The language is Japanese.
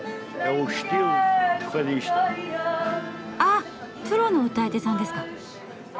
あプロの歌い手さんですか？